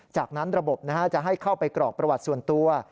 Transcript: จากนั้นระบบจะให้เข้าไปกรอกประวัติส่วนตัว